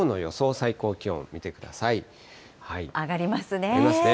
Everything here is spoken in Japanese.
最高気温見てく上がりますね。